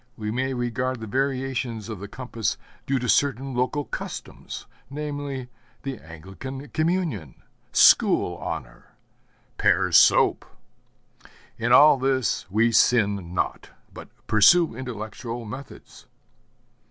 We may regard the variations of the compass due to certain local customs, namely, the Anglican communion, school honor, Pears' soap. In all this we sin not, but pursue intellectual methods.